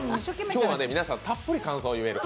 今日はね、皆さんたっぷり感想を言える。